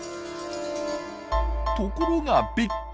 ところがびっくり。